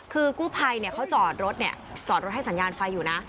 คือกู้ภัยเขาจอดรถจอดรถให้สัญญาณไฟอยู่นะ